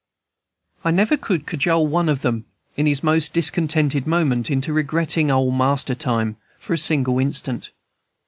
I never could cajole one of them, in his most discontented moment, into regretting "ole mas'r time" for a single instant.